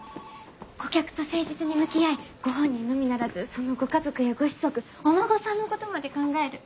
顧客と誠実に向き合いご本人のみならずそのご家族やご子息お孫さんのことまで考える。